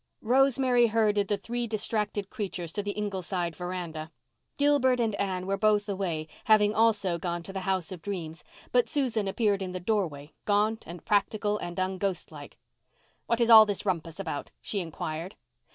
Rosemary herded the three distracted creatures to the Ingleside veranda. Gilbert and Anne were both away, having also gone to the House of Dreams, but Susan appeared in the doorway, gaunt and practical and unghostlike. "What is all this rumpus about?" she inquired.